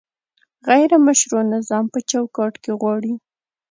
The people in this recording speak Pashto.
غیر مشروع نظام په چوکاټ کې غواړي؟